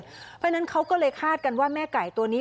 เพราะฉะนั้นเขาก็เลยคาดกันว่าแม่ไก่ตัวนี้